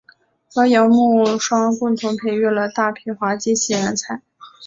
和姚慕双共同培育了大批滑稽戏人才。